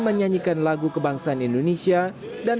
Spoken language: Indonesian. menyanyikan lagu kebangsaan indonesia dan